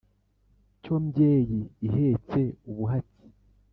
cyo mbyeyi ihetse ubuhatsi